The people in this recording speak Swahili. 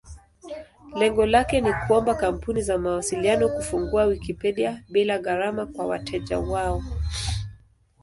Lengo lake ni kuomba kampuni za mawasiliano kufungua Wikipedia bila gharama kwa wateja wao.